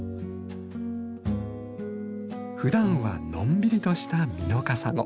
ふだんはのんびりとしたミノカサゴ。